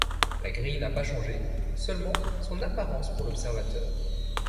La grille n'a pas changé, seulement son apparence pour l'observateur.